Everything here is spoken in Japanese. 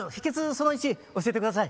その１教えて下さい。